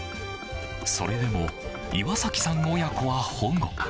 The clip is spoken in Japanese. それでも、岩崎さん親子は保護。